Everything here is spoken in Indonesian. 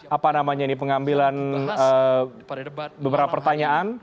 apa namanya ini pengambilan beberapa pertanyaan